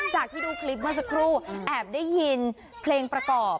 จากที่ดูคลิปเมื่อสักครู่แอบได้ยินเพลงประกอบ